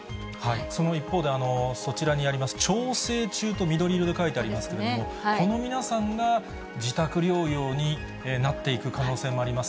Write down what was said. その一方で、そちらにあります、調整中と緑色で書いてありますけれども、この皆さんが自宅療養になっていく可能性もあります。